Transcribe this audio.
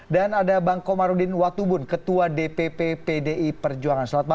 dan ada bang komarudin watubun ketua dpp pdi perjuangan selamat malam